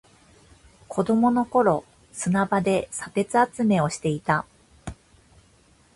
子供の頃、砂場で砂鉄集めをしていた。